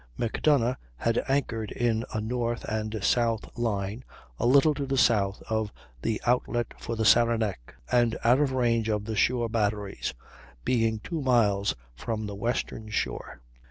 Macdonough had anchored in a north and south line a little to the south of the outlet of the Saranac, and out of range of the shore batteries, being two miles from the western shore.